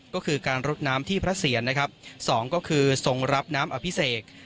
ก็คือการรดน้ำที่พระเสียรนะครับสองก็คือทรงรับน้ำอภิเษก